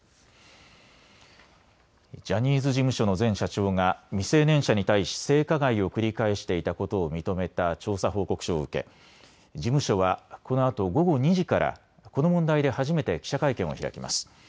ジャニーズ事務所の前社長が未成年者に対し性加害を繰り返していたことを認めた調査報告書を受け事務所はこのあと午後２時からこの問題で初めて記者会見を開きます。